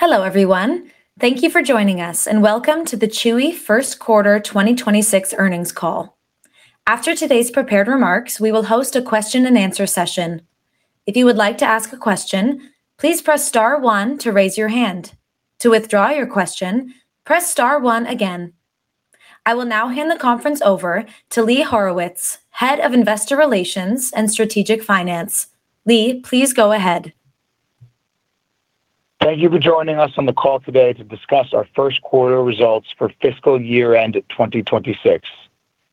Hello, everyone. Thank you for joining us, and welcome to the Chewy first quarter 2026 earnings call. After today's prepared remarks, we will host a question-and-answer session. If you would like to ask a question, please press star one to raise your hand. To withdraw your question, press star one again. I will now hand the conference over to Lee Horowitz, Head of Investor Relations and Strategic Finance. Lee, please go ahead. Thank you for joining us on the call today to discuss our first quarter results for fiscal year-end 2026.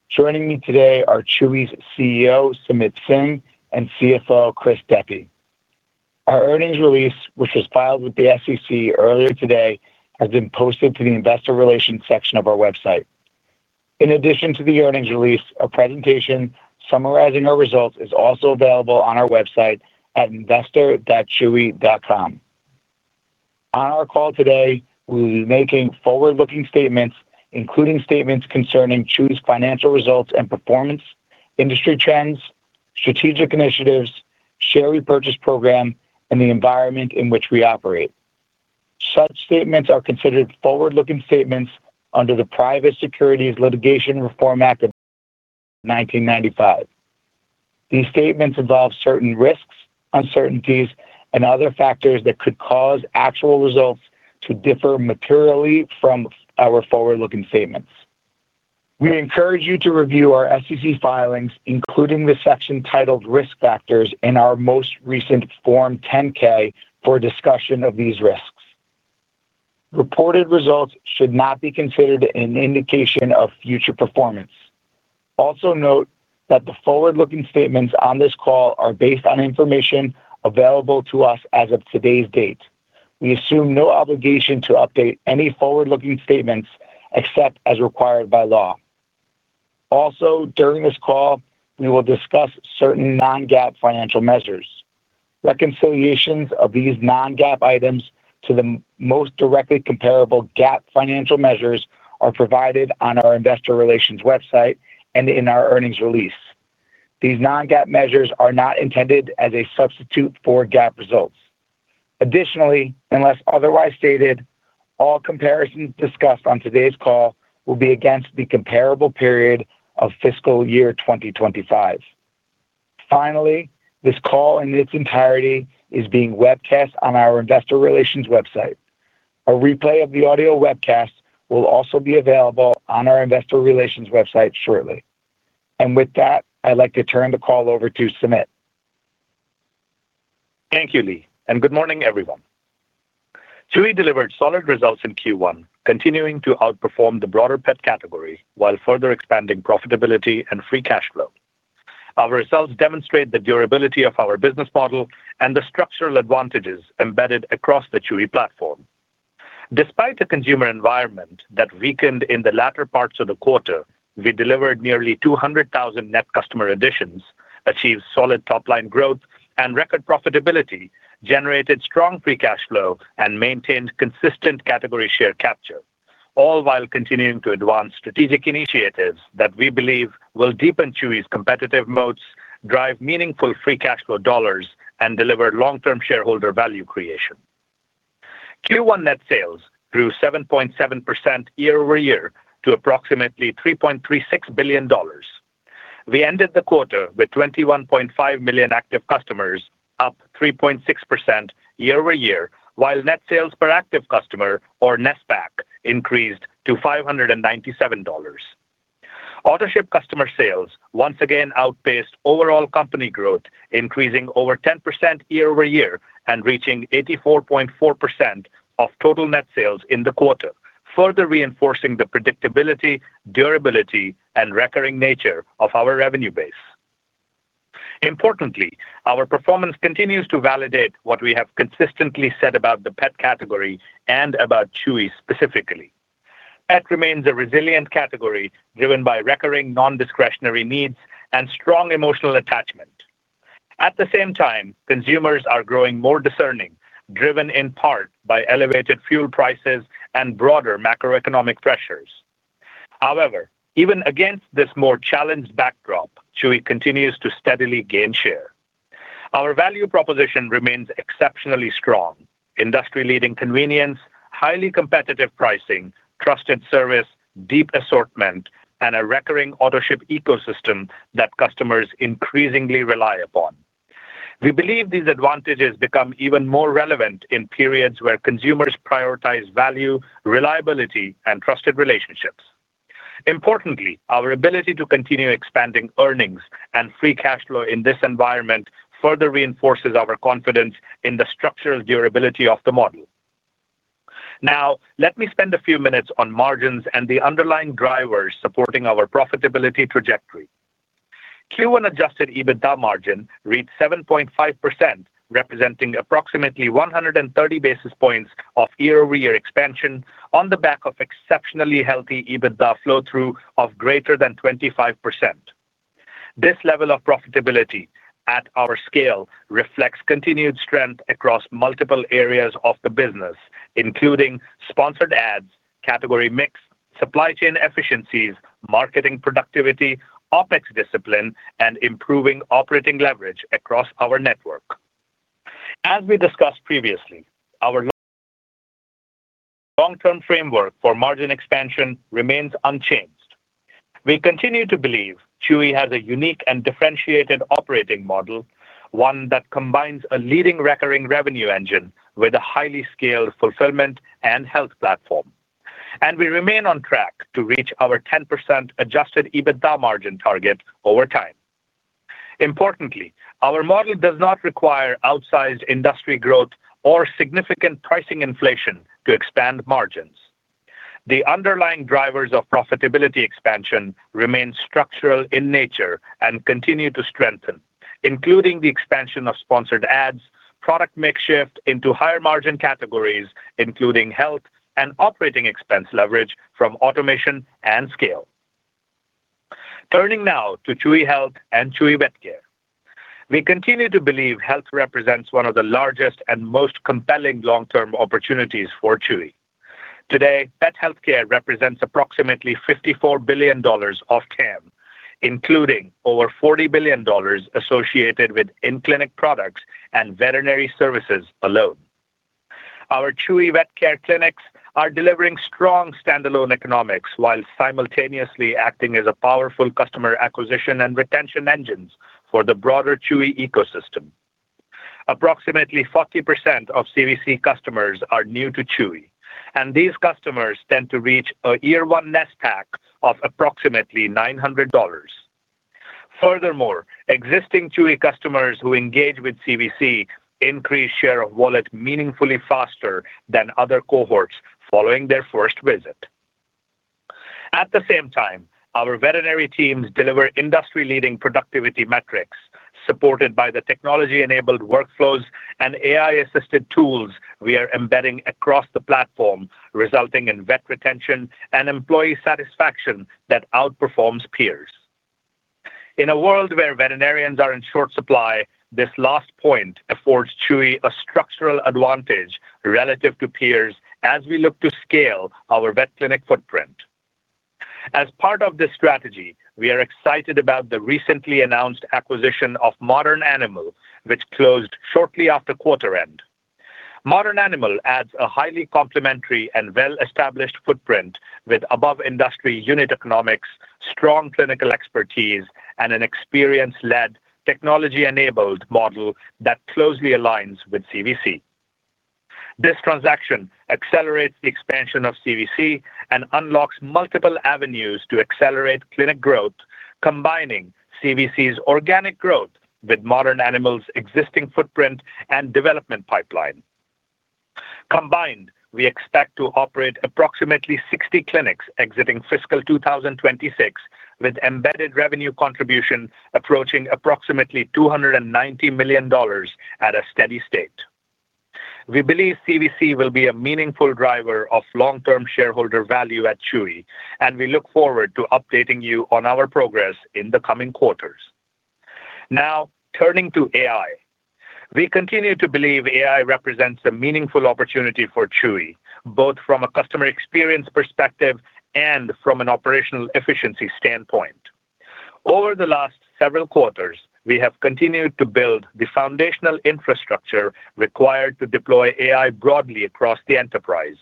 Joining me today are Chewy's CEO, Sumit Singh, and CFO, Chris Deppe. Our earnings release, which was filed with the SEC earlier today, has been posted to the investor relations section of our website. In addition to the earnings release, a presentation summarizing our results is also available on our website at investor.chewy.com. On our call today, we will be making forward-looking statements, including statements concerning Chewy's financial results and performance, industry trends, strategic initiatives, share repurchase program, and the environment in which we operate. Such statements are considered forward-looking statements under the Private Securities Litigation Reform Act of 1995. These statements involve certain risks, uncertainties, and other factors that could cause actual results to differ materially from our forward-looking statements. We encourage you to review our SEC filings, including the section titled Risk Factors in our most recent Form 10-K, for a discussion of these risks. Reported results should not be considered an indication of future performance. Also note that the forward-looking statements on this call are based on information available to us as of today's date. We assume no obligation to update any forward-looking statements, except as required by law. Also, during this call, we will discuss certain non-GAAP financial measures. Reconciliations of these non-GAAP items to the most directly comparable GAAP financial measures are provided on our Investor Relations website and in our earnings release. These non-GAAP measures are not intended as a substitute for GAAP results. Additionally, unless otherwise stated, all comparisons discussed on today's call will be against the comparable period of fiscal year 2025. Finally this call in its entirety is being webcast on our Investor Relations website. A replay of the audio webcast will also be available on our Investor Relations website shortly. With that, I'd like to turn the call over to Sumit. Thank you, Lee, and good morning, everyone. Chewy delivered solid results in Q1, continuing to outperform the broader pet category while further expanding profitability and free cash flow. Our results demonstrate the durability of our business model and the structural advantages embedded across the Chewy platform. Despite the consumer environment that weakened in the latter parts of the quarter, we delivered nearly 200,000 net customer additions, achieved solid top-line growth and record profitability, generated strong free cash flow, and maintained consistent category share capture, all while continuing to advance strategic initiatives that we believe will deepen Chewy's competitive moats, drive meaningful free cash flow dollars, and deliver long-term shareholder value creation. Q1 net sales grew 7.7% year-over-year to approximately $3.36 billion. We ended the quarter with 21.5 million active customers, up 3.6% year-over-year, while Net Sales Per Active Customer, or NSPAC, increased to $597. Autoship customer sales once again outpaced overall company growth, increasing over 10% year-over-year and reaching 84.4% of total net sales in the quarter, further reinforcing the predictability, durability, and recurring nature of our revenue base. Importantly, our performance continues to validate what we have consistently said about the pet category and about Chewy specifically. Pet remains a resilient category driven by recurring non-discretionary needs and strong emotional attachment. At the same time consumers are growing more discerning, driven in part by elevated fuel prices and broader macroeconomic pressures. However even against this more challenged backdrop, Chewy continues to steadily gain share. Our value proposition remains exceptionally strong. Industry-leading convenience, highly competitive pricing, trusted service, deep assortment, and a recurring Autoship ecosystem that customers increasingly rely upon. We believe these advantages become even more relevant in periods where consumers prioritize value, reliability, and trusted relationships. Importantly, our ability to continue expanding earnings and free cash flow in this environment further reinforces our confidence in the structural durability of the model. Let me spend a few minutes on margins and the underlying drivers supporting our profitability trajectory. Q1 adjusted EBITDA margin read 7.5%, representing approximately 130 basis points of year-over-year expansion on the back of exceptionally healthy EBITDA flow-through of greater than 25%. This level of profitability at our scale reflects continued strength across multiple areas of the business, including Sponsored Ads, category mix, supply chain efficiencies, marketing productivity, OpEx discipline, and improving operating leverage across our network. As we discussed previously, our long-term framework for margin expansion remains unchanged. We continue to believe Chewy has a unique and differentiated operating model, one that combines a leading recurring revenue engine with a highly scaled fulfillment and health platform. We remain on track to reach our 10% adjusted EBITDA margin target over time. Importantly, our model does not require outsized industry growth or significant pricing inflation to expand margins. The underlying drivers of profitability expansion remain structural in nature and continue to strengthen, including the expansion of Sponsored Ads, product mix shift into higher margin categories, including health and operating expense leverage from automation and scale. Turning now to Chewy Health and Chewy Vet Care. We continue to believe health represents one of the largest and most compelling long-term opportunities for Chewy. Today, pet healthcare represents approximately $54 billion of TAM, including over $40 billion associated with in-clinic products and veterinary services alone. Our Chewy Vet Care clinics are delivering strong standalone economics while simultaneously acting as a powerful customer acquisition and retention engines for the broader Chewy ecosystem. Approximately 40% of CVC customers are new to Chewy, and these customers tend to reach a year one NSPAC of approximately $900. Furthermore, existing Chewy customers who engage with CVC increase share of wallet meaningfully faster than other cohorts following their first visit. At the same time, our veterinary teams deliver industry-leading productivity metrics supported by the technology-enabled workflows and AI-assisted tools we are embedding across the platform, resulting in vet retention and employee satisfaction that outperforms peers. In a world where veterinarians are in short supply, this last point affords Chewy a structural advantage relative to peers as we look to scale our vet clinic footprint. As part of this strategy, we are excited about the recently announced acquisition of Modern Animal, which closed shortly after quarter-end. Modern Animal adds a highly complementary and well-established footprint with above industry unit economics, strong clinical expertise, and an experience-led, technology-enabled model that closely aligns with CVC. This transaction accelerates the expansion of CVC and unlocks multiple avenues to accelerate clinic growth, combining CVC's organic growth with Modern Animal's existing footprint and development pipeline. Combined, we expect to operate approximately 60 clinics exiting fiscal 2026, with embedded revenue contribution approaching approximately $290 million at a steady state. We believe CVC will be a meaningful driver of long-term shareholder value at Chewy, and we look forward to updating you on our progress in the coming quarters. Now turning to AI. We continue to believe AI represents a meaningful opportunity for Chewy, both from a customer experience perspective and from an operational efficiency standpoint. Over the last several quarters, we have continued to build the foundational infrastructure required to deploy AI broadly across the enterprise.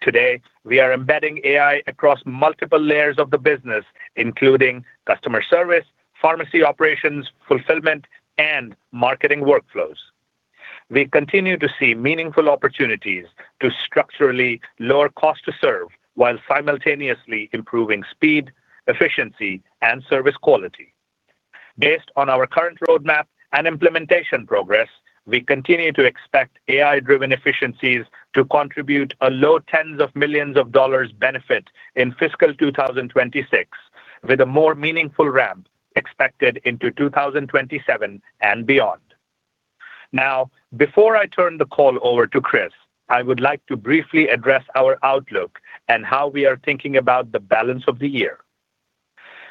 Today, we are embedding AI across multiple layers of the business, including customer service, pharmacy operations, fulfillment, and marketing workflows. We continue to see meaningful opportunities to structurally lower cost to serve, while simultaneously improving speed, efficiency, and service quality. Based on our current roadmap and implementation progress, we continue to expect AI-driven efficiencies to contribute a low 10 of millions of dollars benefit in fiscal 2026, with a more meaningful ramp expected into 2027 and beyond. Now, before I turn the call over to Chris, I would like to briefly address our outlook and how we are thinking about the balance of the year.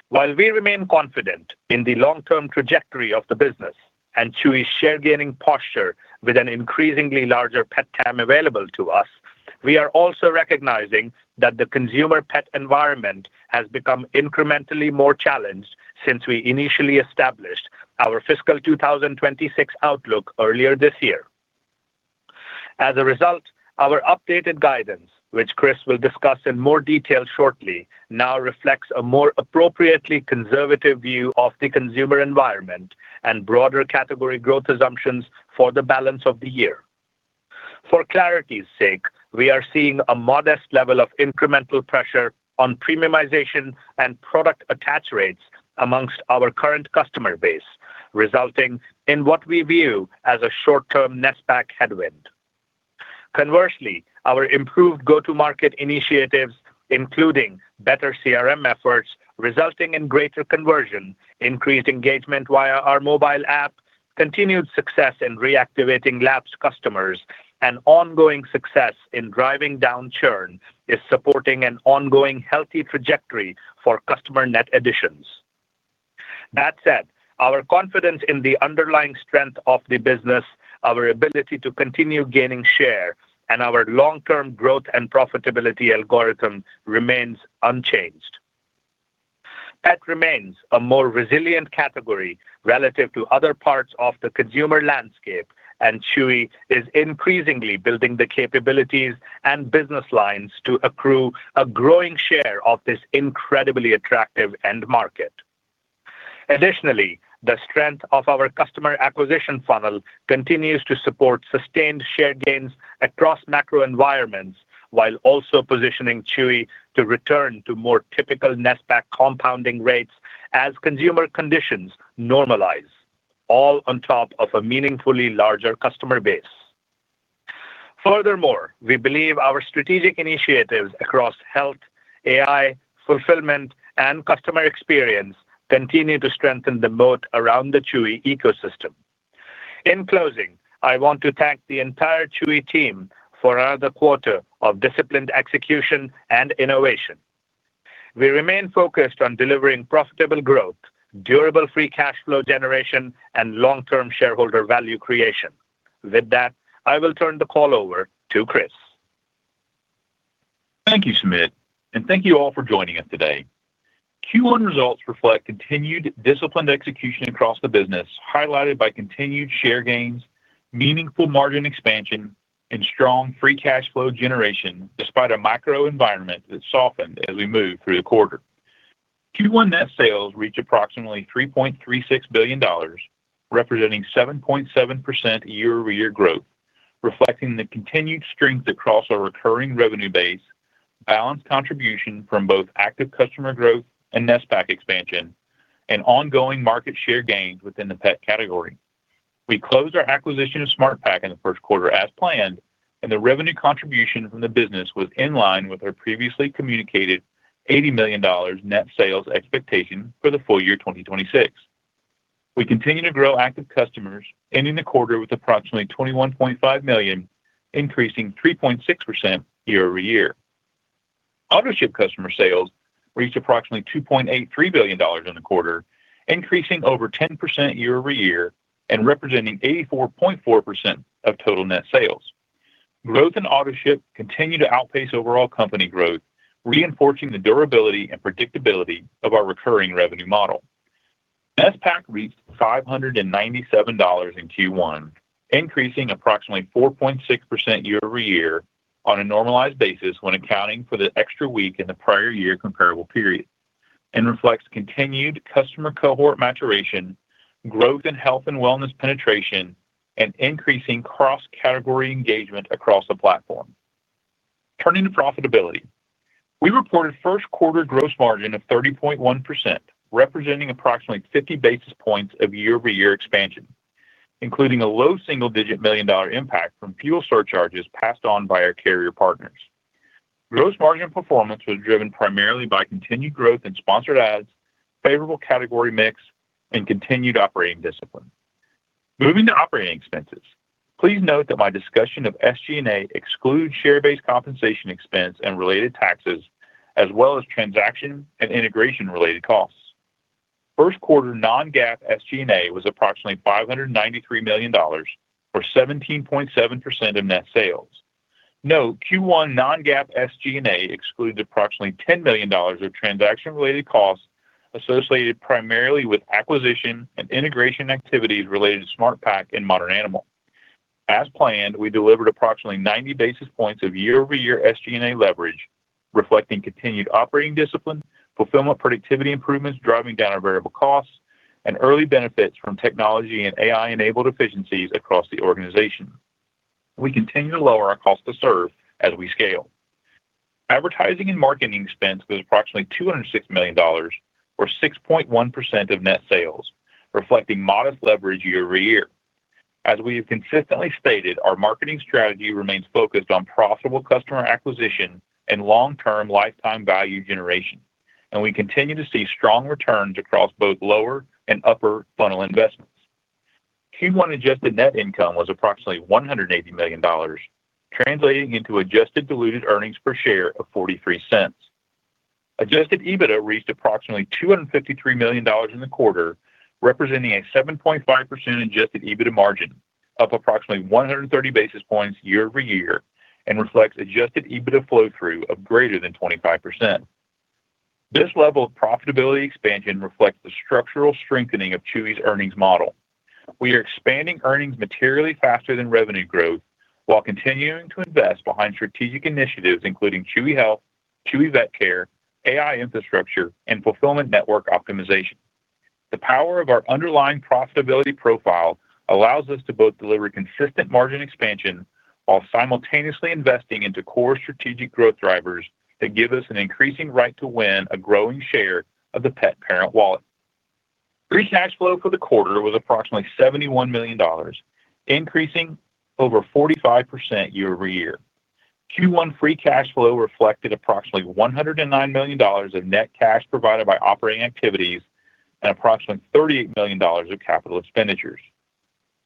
While we remain confident in the long-term trajectory of the business and Chewy's share gaining posture with an increasingly larger pet TAM available to us, we are also recognizing that the consumer pet environment has become incrementally more challenged since we initially established our fiscal 2026 outlook earlier this year. As a result, our updated guidance, which Chris will discuss in more detail shortly, now reflects a more appropriately conservative view of the consumer environment and broader category growth assumptions for the balance of the year. For clarity's sake, we are seeing a modest level of incremental pressure on premiumization and product attach rates amongst our current customer base, resulting in what we view as a short-term NSPAC headwind. Conversely, our improved go-to-market initiatives, including better CRM efforts resulting in greater conversion, increased engagement via our mobile app, continued success in reactivating lapsed customers, and ongoing success in driving down churn, is supporting an ongoing healthy trajectory for customer net additions. That said, our confidence in the underlying strength of the business, our ability to continue gaining share, and our long-term growth and profitability algorithm remains unchanged. Pet remains a more resilient category relative to other parts of the consumer landscape, and Chewy is increasingly building the capabilities and business lines to accrue a growing share of this incredibly attractive end market. Additionally, the strength of our customer acquisition funnel continues to support sustained share gains across macro environments, while also positioning Chewy to return to more typical NSPAC compounding rates as consumer conditions normalize, all on top of a meaningfully larger customer base. Furthermore, we believe our strategic initiatives across health, AI, fulfillment, and customer experience continue to strengthen the moat around the Chewy ecosystem. In closing, I want to thank the entire Chewy team for another quarter of disciplined execution and innovation. We remain focused on delivering profitable growth, durable free cash flow generation, and long-term shareholder value creation. With that, I will turn the call over to Chris. Thank you, Sumit, and thank you all for joining us today. Q1 results reflect continued disciplined execution across the business, highlighted by continued share gains, meaningful margin expansion, and strong free cash flow generation, despite a macro environment that softened as we moved through the quarter. Q1 net sales reached approximately $3.36 billion, representing 7.7% year-over-year growth, reflecting the continued strength across our recurring revenue base, balanced contribution from both active customer growth and NSPAC expansion, and ongoing market share gains within the pet category. We closed our acquisition of SmartPak in the first quarter as planned, and the revenue contribution from the business was in line with our previously communicated $80 million net sales expectation for the full-year 2026. We continue to grow active customers, ending the quarter with approximately 21.5 million, increasing 3.6% year-over-year. Autoship customer sales reached approximately $2.83 billion in the quarter, increasing over 10% year-over-year and representing 84.4% of total net sales. Growth in Autoship continued to outpace overall company growth, reinforcing the durability and predictability of our recurring revenue model. NSPAC reached $597 in Q1, increasing approximately 4.6% year-over-year on a normalized basis when accounting for the extra week in the prior year comparable period, and reflects continued customer cohort maturation, growth in health and wellness penetration, and increasing cross-category engagement across the platform. Turning to profitability, we reported first quarter gross margin of 30.1%, representing approximately 50 basis points of year-over-year expansion, including a low single-digit million dollar impact from fuel surcharges passed on by our carrier partners. Gross margin performance was driven primarily by continued growth in Sponsored Ads, favorable category mix, and continued operating discipline. Moving to operating expenses. Please note that my discussion of SG&A excludes share-based compensation expense and related taxes, as well as transaction and integration-related costs. First quarter non-GAAP SG&A was approximately $593 million, or 17.7% of net sales. Note, Q1 non-GAAP SG&A excluded approximately $10 million of transaction-related costs associated primarily with acquisition and integration activities related to SmartPak and Modern Animal. As planned, we delivered approximately 90 basis points of year-over-year SG&A leverage, reflecting continued operating discipline, fulfillment productivity improvements driving down our variable costs, and early benefits from technology and AI-enabled efficiencies across the organization. We continue to lower our cost to serve as we scale. Advertising and marketing expense was approximately $206 million, or 6.1% of net sales, reflecting modest leverage year-over-year. As we have consistently stated, our marketing strategy remains focused on profitable customer acquisition and long-term lifetime value generation, and we continue to see strong returns across both lower and upper funnel investments. Q1 adjusted net income was approximately $180 million, translating into adjusted diluted earnings per share of $0.43. Adjusted EBITDA reached approximately $253 million in the quarter, representing a 7.5% adjusted EBITDA margin, up approximately 130 basis points year-over-year, and reflects adjusted EBITDA flow-through of greater than 25%. This level of profitability expansion reflects the structural strengthening of Chewy's earnings model. We are expanding earnings materially faster than revenue growth while continuing to invest behind strategic initiatives, including Chewy Health, Chewy Vet Care, AI infrastructure, and fulfillment network optimization. The power of our underlying profitability profile allows us to both deliver consistent margin expansion while simultaneously investing into core strategic growth drivers that give us an increasing right to win a growing share of the pet parent wallet. Free cash flow for the quarter was approximately $71 million, increasing over 45% year-over-year. Q1 free cash flow reflected approximately $109 million of net cash provided by operating activities and approximately $38 million of capital expenditures.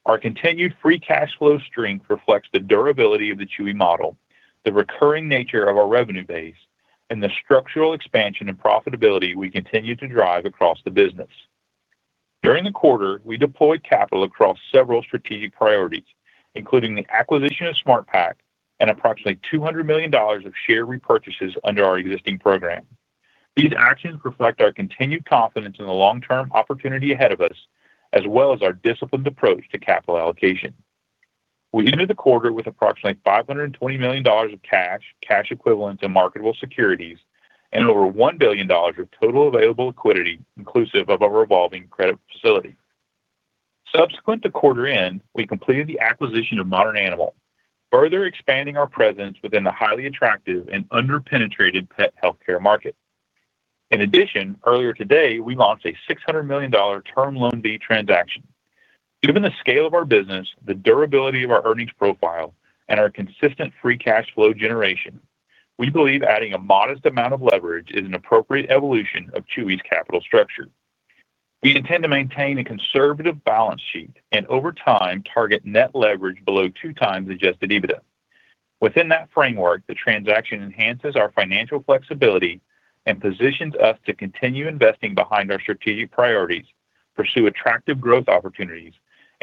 Our continued free cash flow strength reflects the durability of the Chewy model, the recurring nature of our revenue base, and the structural expansion and profitability we continue to drive across the business. During the quarter, we deployed capital across several strategic priorities, including the acquisition of SmartPak and approximately $200 million of share repurchases under our existing program. These actions reflect our continued confidence in the long-term opportunity ahead of us, as well as our disciplined approach to capital allocation. We ended the quarter with approximately $520 million of cash, cash equivalents, and marketable securities, and over $1 billion of total available liquidity, inclusive of our revolving credit facility. Subsequent to quarter-end, we completed the acquisition of Modern Animal, further expanding our presence within the highly attractive and under-penetrated Pet Healthcare market. In addition, earlier today, we launched a $600 million Term Loan B transaction. Given the scale of our business, the durability of our earnings profile, and our consistent free cash flow generation, we believe adding a modest amount of leverage is an appropriate evolution of Chewy's capital structure. We intend to maintain a conservative balance sheet and over time, target net leverage below 2x adjusted EBITDA. Within that framework, the transaction enhances our financial flexibility and positions us to continue investing behind our strategic priorities, pursue attractive growth opportunities,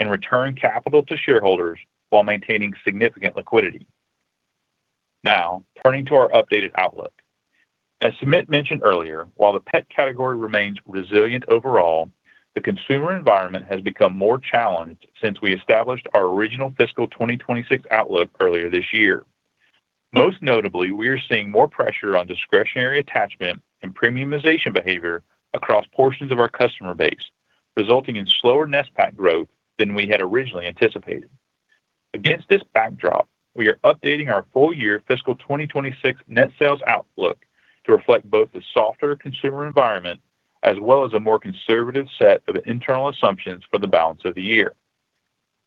and return capital to shareholders while maintaining significant liquidity. Turning to our updated outlook. As Sumit mentioned earlier, while the pet category remains resilient overall, the consumer environment has become more challenged since we established our original fiscal 2026 outlook earlier this year. Most notably, we are seeing more pressure on discretionary attachment and premiumization behavior across portions of our customer base, resulting in slower NSPAC growth than we had originally anticipated. Against this backdrop, we are updating our full-year fiscal 2026 net sales outlook to reflect both the softer consumer environment as well as a more conservative set of internal assumptions for the balance of the year.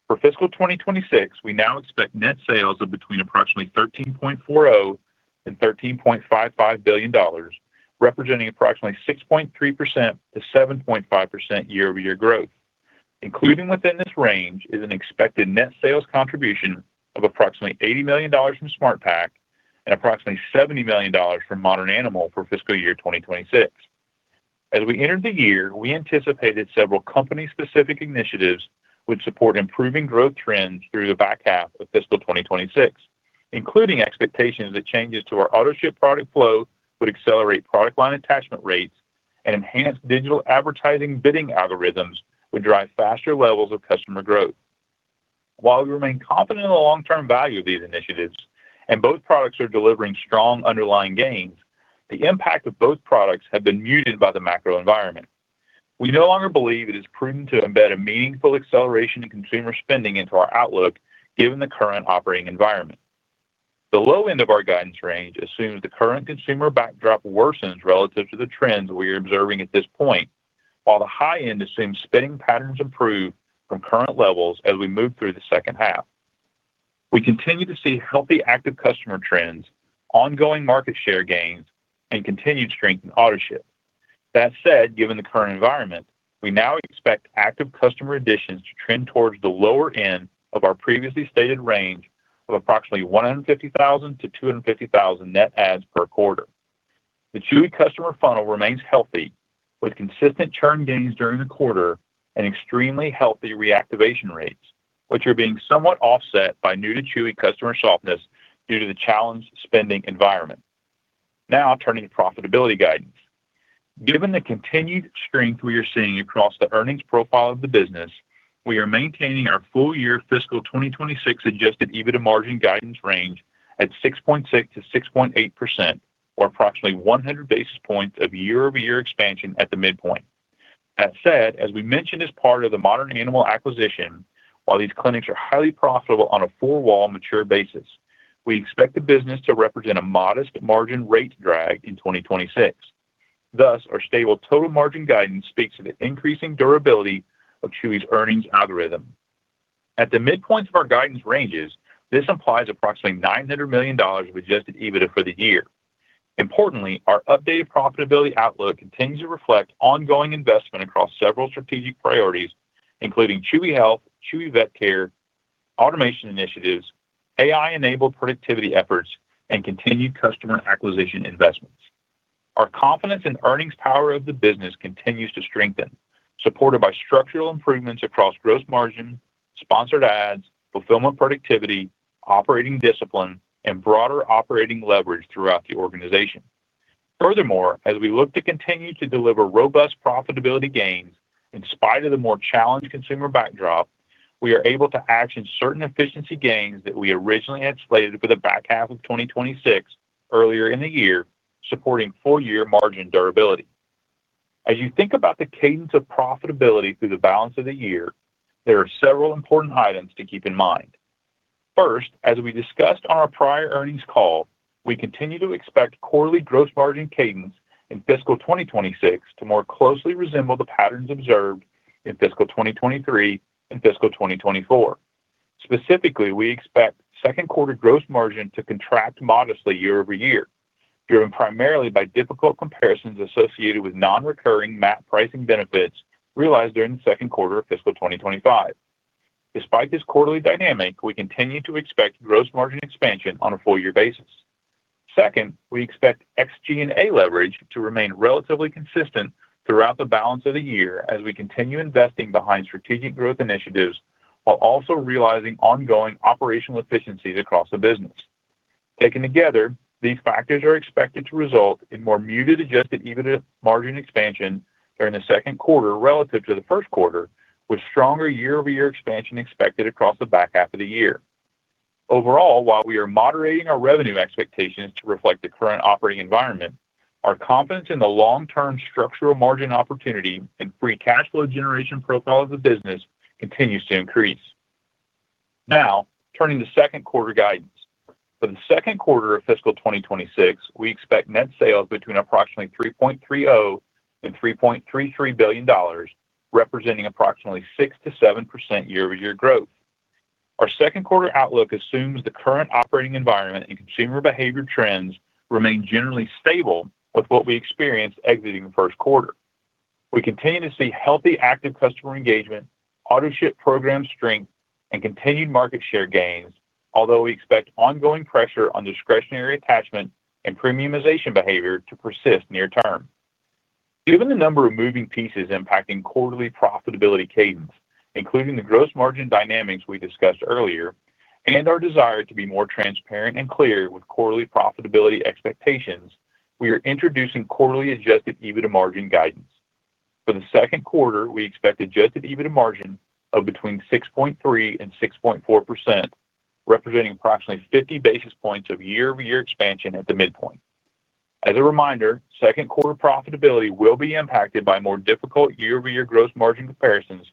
For fiscal 2026, we now expect net sales of between approximately $13.40 billion and $13.55 billion, representing approximately 6.3%-7.5% year-over-year growth. Included within this range is an expected net sales contribution of approximately $80 million from SmartPak and approximately $70 million from Modern Animal for fiscal year 2026. As we entered the year, we anticipated several company-specific initiatives would support improving growth trends through the back half of fiscal 2026, including expectations that changes to our Autoship product flow would accelerate product line attachment rates and enhanced digital advertising bidding algorithms would drive faster levels of customer growth. While we remain confident in the long-term value of these initiatives and both products are delivering strong underlying gains, the impact of both products have been muted by the macro environment. We no longer believe it is prudent to embed a meaningful acceleration in consumer spending into our outlook given the current operating environment. The low end of our guidance range assumes the current consumer backdrop worsens relative to the trends we are observing at this point, while the high end assumes spending patterns improve from current levels as we move through the second half. We continue to see healthy active customer trends, ongoing market share gains, and continued strength in Autoship. That said, given the current environment, we now expect active customer additions to trend towards the lower end of our previously stated range of approximately 150,000-250,000 net adds per quarter. The Chewy customer funnel remains healthy with consistent churn gains during the quarter and extremely healthy reactivation rates, which are being somewhat offset by new to Chewy customer softness due to the challenged spending environment. Turning to profitability guidance. Given the continued strength we are seeing across the earnings profile of the business, we are maintaining our full-year fiscal 2026 adjusted EBITDA margin guidance range at 6.6%-6.8%, or approximately 100 basis points of year-over-year expansion at the midpoint. That said, as we mentioned as part of the Modern Animal acquisition, while these clinics are highly profitable on a four-wall mature basis, we expect the business to represent a modest margin rate drag in 2026. Thus, our stable total margin guidance speaks to the increasing durability of Chewy's earnings algorithm. At the midpoints of our guidance ranges, this implies approximately $900 million of adjusted EBITDA for the year. Importantly, our updated profitability outlook continues to reflect ongoing investment across several strategic priorities, including Chewy Health, Chewy Vet Care, automation initiatives, AI-enabled productivity efforts, and continued customer acquisition investments. Our confidence in earnings power of the business continues to strengthen, supported by structural improvements across gross margin, Sponsored Ads, fulfillment productivity, operating discipline, and broader operating leverage throughout the organization. Furthermore, as we look to continue to deliver robust profitability gains in spite of the more challenged consumer backdrop, we are able to action certain efficiency gains that we originally anticipated for the back half of 2026 earlier in the year, supporting full-year margin durability. As you think about the cadence of profitability through the balance of the year, there are several important items to keep in mind. First, as we discussed on our prior earnings call, we continue to expect quarterly gross margin cadence in fiscal 2026 to more closely resemble the patterns observed in fiscal 2023 and fiscal 2024. Specifically, we expect second quarter gross margin to contract modestly year-over-year, driven primarily by difficult comparisons associated with non-recurring MAP pricing benefits realized during the second quarter of fiscal 2025. Despite this quarterly dynamic, we continue to expect gross margin expansion on a full-year basis. Second, we expect SG&A leverage to remain relatively consistent throughout the balance of the year as we continue investing behind strategic growth initiatives while also realizing ongoing operational efficiencies across the business. Taken together, these factors are expected to result in more muted adjusted EBITDA margin expansion during the second quarter relative to the first quarter, with stronger year-over-year expansion expected across the back half of the year. Overall, while we are moderating our revenue expectations to reflect the current operating environment, our confidence in the long-term structural margin opportunity and free cash flow generation profile of the business continues to increase. Turning to second quarter guidance. For the second quarter of fiscal 2026, we expect net sales between approximately $3.30 billion and $3.33 billion, representing approximately 6%-7% year-over-year growth. Our second quarter outlook assumes the current operating environment and consumer behavior trends remain generally stable with what we experienced exiting the first quarter. We continue to see healthy active customer engagement, Autoship program strength, and continued market share gains, although we expect ongoing pressure on discretionary attachment and premiumization behavior to persist near term. Given the number of moving pieces impacting quarterly profitability cadence, including the gross margin dynamics we discussed earlier, and our desire to be more transparent and clear with quarterly profitability expectations, we are introducing quarterly adjusted EBITDA margin guidance. For the second quarter, we expect adjusted EBITDA margin of between 6.3%-6.4%, representing approximately 50 basis points of year-over-year expansion at the midpoint. As a reminder, second quarter profitability will be impacted by more difficult year-over-year gross margin comparisons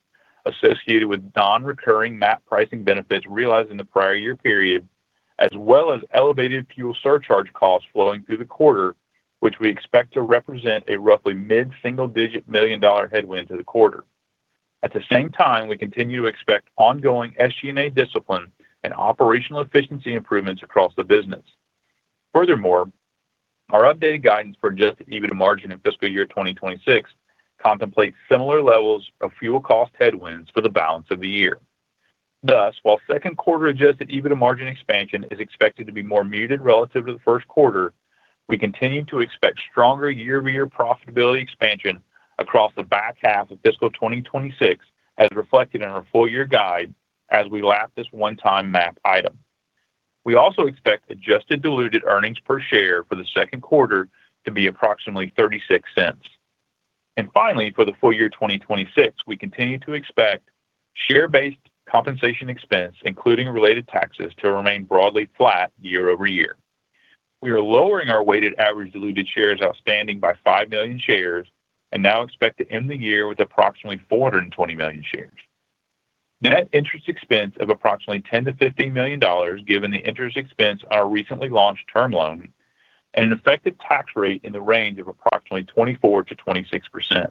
associated with non-recurring MAP pricing benefits realized in the prior year period, as well as elevated fuel surcharge costs flowing through the quarter, which we expect to represent a roughly mid-single digit million-dollar headwind to the quarter. At the same time, we continue to expect ongoing SG&A discipline and operational efficiency improvements across the business. Furthermore, our updated guidance for adjusted EBITDA margin in fiscal year 2026 contemplates similar levels of fuel cost headwinds for the balance of the year. Thus, while second quarter adjusted EBITDA margin expansion is expected to be more muted relative to the first quarter, we continue to expect stronger year-over-year profitability expansion across the back half of fiscal 2026 as reflected in our full-year guide as we lap this one-time MAP item. We also expect adjusted diluted EPS for the second quarter to be approximately $0.36. Finally, for the full-year 2026, we continue to expect share-based compensation expense, including related taxes, to remain broadly flat year-over-year. We are lowering our weighted average diluted shares outstanding by 5 million shares and now expect to end the year with approximately 420 million shares. Net interest expense of approximately $10 million-$15 million, given the interest expense on our recently launched Term Loan, and an effective tax rate in the range of approximately 24%-26%.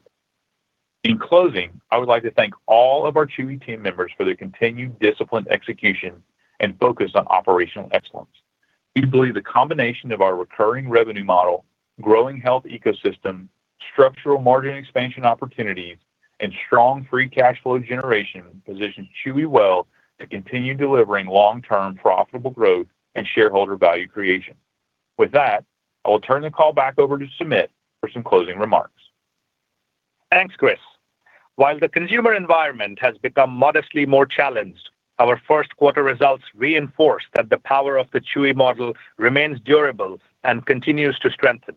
In closing, I would like to thank all of our Chewy team members for their continued disciplined execution and focus on operational excellence. We believe the combination of our recurring revenue model, growing health ecosystem, structural margin expansion opportunities, and strong free cash flow generation positions Chewy well to continue delivering long-term profitable growth and shareholder value creation. With that, I will turn the call back over to Sumit for some closing remarks. Thanks, Chris. While the consumer environment has become modestly more challenged, our first quarter results reinforce that the power of the Chewy model remains durable and continues to strengthen.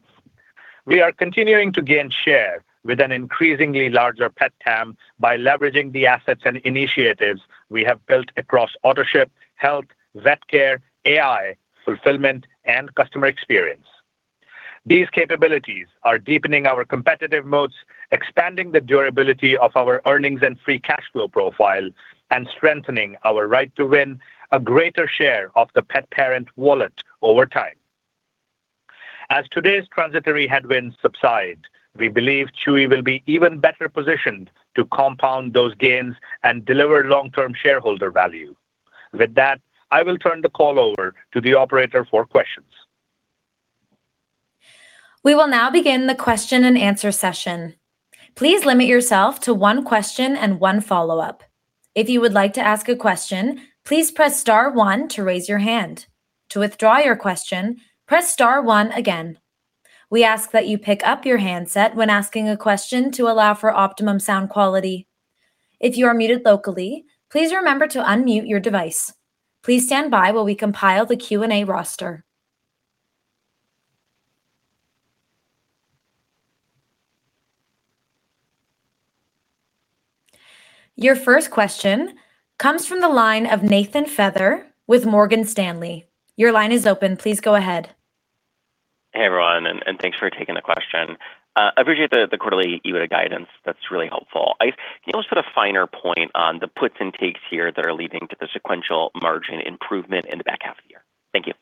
We are continuing to gain share with an increasingly larger pet TAM by leveraging the assets and initiatives we have built across Autoship, health, vet care, AI, fulfillment, and customer experience. These capabilities are deepening our competitive moats, expanding the durability of our earnings and free cash flow profile, and strengthening our right to win a greater share of the pet parent wallet over time. As today's transitory headwinds subside, we believe Chewy will be even better positioned to compound those gains and deliver long-term shareholder value. With that, I will turn the call over to the operator for questions. We will now begin the question-and-answer session. Please limit yourself to one question and one follow-up. If you would like to ask a question, please press star one to raise your hand. To withdraw your question, press star one again. We ask that you pick up your handset when asking a question to allow for optimum sound quality. If you are muted locally, please remember to unmute your device. Please stand by while we compile the Q&A roster. Your first question comes from the line of Nathan Feather with Morgan Stanley. Your line is open. Please go ahead. Hey, everyone, thanks for taking the question. I appreciate the quarterly EBITDA guidance. That's really helpful. Can you almost put a finer point on the puts and takes here that are leading to the sequential margin improvement in the back half of the year? Thank you.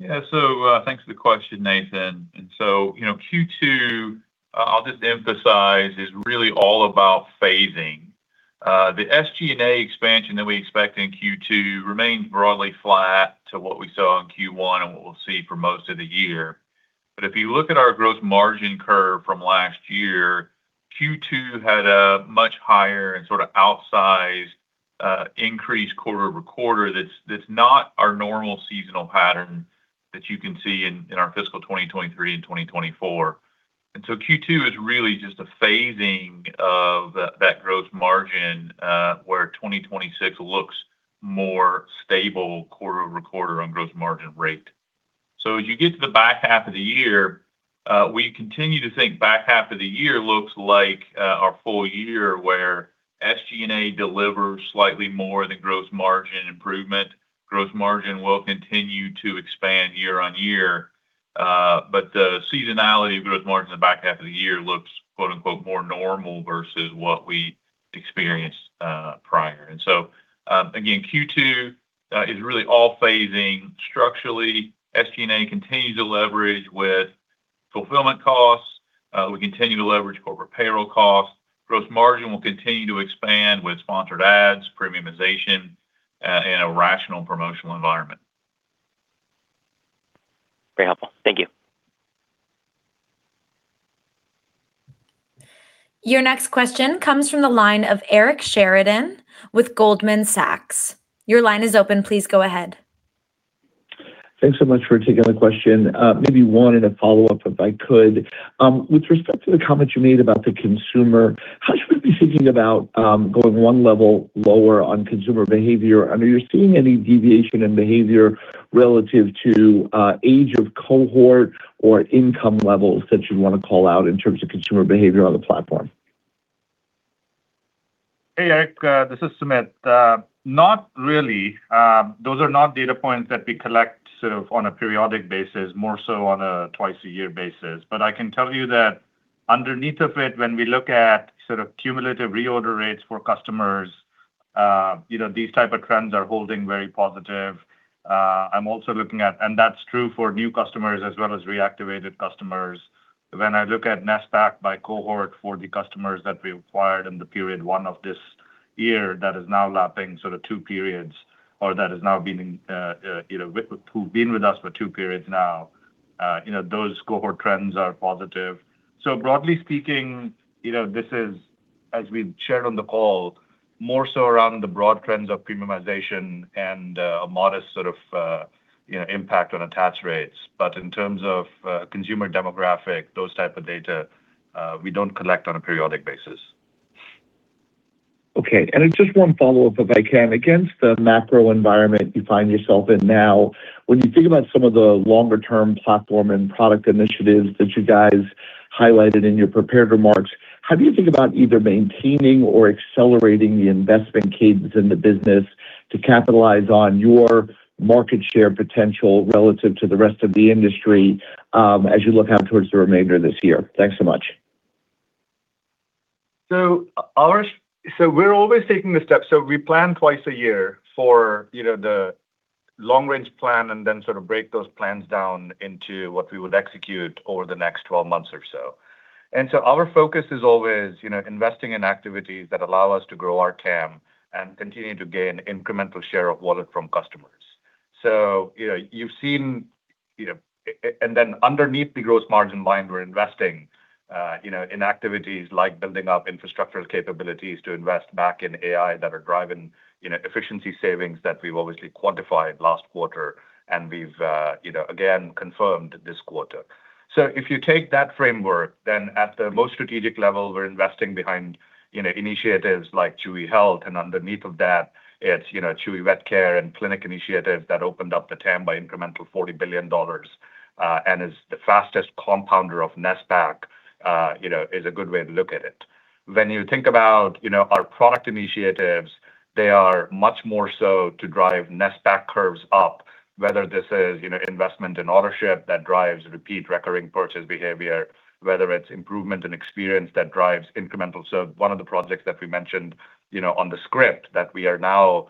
Yeah. Thanks for the question, Nathan. Q2, I'll just emphasize, is really all about phasing. The SG&A expansion that we expect in Q2 remains broadly flat to what we saw in Q1 and what we'll see for most of the year. If you look at our growth margin curve from last year, Q2 had a much higher and sort of outsized increase quarter-over-quarter that's not our normal seasonal pattern that you can see in our fiscal 2023 and 2024. Q2 is really just a phasing of that growth margin, where 2026 looks more stable quarter-over-quarter on gross margin rate. As you get to the back half of the year, we continue to think back half of the year looks like our full-year, where SG&A delivers slightly more than gross margin improvement. Gross margin will continue to expand year-on-year. The seasonality of gross margin in the back half of the year looks more normal versus what we experienced prior. Again, Q2 is really all phasing structurally. SG&A continues to leverage with fulfillment costs. We continue to leverage corporate payroll costs. Gross margin will continue to expand with Sponsored Ads, premiumization, and a rational promotional environment. Very helpful. Thank you. Your next question comes from the line of Eric Sheridan with Goldman Sachs. Your line is open. Please go ahead. Thanks so much for taking the question. Maybe one and a follow-up, if I could. With respect to the comment you made about the consumer, how should we be thinking about going 1 level lower on consumer behavior? Are you seeing any deviation in behavior relative to age of cohort or income levels that you'd want to call out in terms of consumer behavior on the platform? Hey, Eric, this is Sumit. Not really. Those are not data points that we collect sort of on a periodic basis, more so on a twice-a-year basis. I can tell you that underneath of it, when we look at sort of cumulative reorder rates for customers, these type of trends are holding very positive. That's true for new customers as well as reactivated customers. When I look at NSPAC by cohort for the customers that we acquired in the period one of this year, that is now lapping sort of two periods, or that has now been with us for two periods now, those cohort trends are positive. Broadly speaking, this is, as we've shared on the call, more so around the broad trends of premiumization and a modest sort of impact on attach rates. In terms of consumer demographic, those type of data, we don't collect on a periodic basis. Just one follow-up if I can. Against the macro environment you find yourself in now, when you think about some of the longer-term platform and product initiatives that you guys highlighted in your prepared remarks, how do you think about either maintaining or accelerating the investment cadence in the business to capitalize on your market share potential relative to the rest of the industry as you look out towards the remainder of this year? Thanks so much. We're always taking the steps. We plan twice a year for the long-range plan and then sort of break those plans down into what we would execute over the next 12 months or so. Our focus is always investing in activities that allow us to grow our TAM and continue to gain incremental share of wallet from customers. Underneath the gross margin line, we're investing in activities like building up infrastructural capabilities to invest back in AI that are driving efficiency savings that we've obviously quantified last quarter, and we've again confirmed this quarter. If you take that framework, then at the most strategic level, we're investing behind initiatives like Chewy Health. Underneath of that, it's Chewy Vet Care and clinic initiatives that opened up the TAM by incremental $40 billion and is the fastest compounder of NSPAC, is a good way to look at it. When you think about our product initiatives, they are much more so to drive NSPAC curves up, whether this is investment in Autoship that drives repeat recurring purchase behavior, whether it's improvement in experience that drives incremental. One of the projects that we mentioned on the script that we are now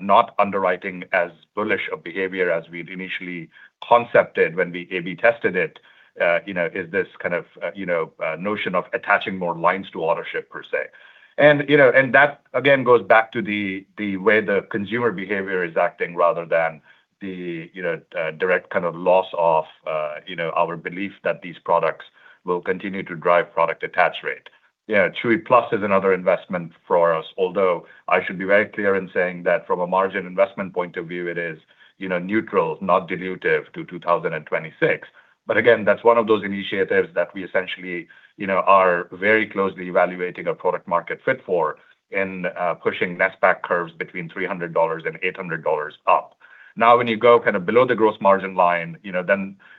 not underwriting as bullish a behavior as we'd initially concepted when we A/B tested it, is this kind of notion of attaching more lines to Autoship, per se. That again goes back to the way the consumer behavior is acting rather than the direct kind of loss of our belief that these products will continue to drive product attach rate. Chewy Plus is another investment for us, although I should be very clear in saying that from a margin investment point of view, it is neutral, not dilutive to 2026. Again, that's one of those initiatives that we essentially are very closely evaluating a product market fit for in pushing NSPAC curves between $300 and $800 up. When you go kind of below the gross margin line,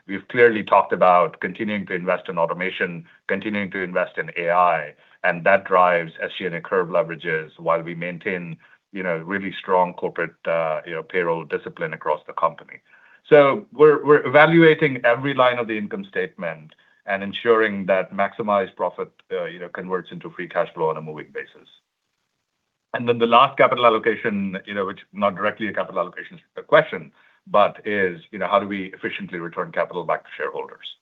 we've clearly talked about continuing to invest in automation, continuing to invest in AI, that drives SG&A curve leverages while we maintain really strong corporate payroll discipline across the company. We're evaluating every line of the income statement and ensuring that maximized profit converts into free cash flow on a moving basis. The last capital allocation, which is not directly a capital allocation question, but is how do we efficiently return capital back to shareholders?